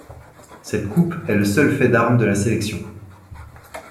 Cette coupe est le seul fait d'armes de la sélection.